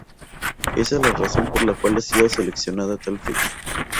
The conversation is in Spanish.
Esa es la razón por la cual ha sido seleccionada tal fecha.